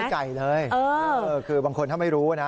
ไก่เลยคือบางคนถ้าไม่รู้นะ